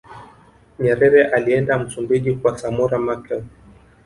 nyerere alienda msumbuji kwa samora machel